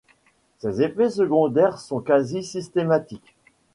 Ces effets secondaires sont quasi systématiques.